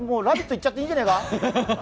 いっちゃっていいんじゃないか？